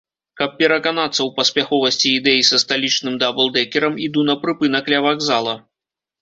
Каб пераканацца ў паспяховасці ідэі са сталічным даблдэкерам, іду на прыпынак ля вакзала.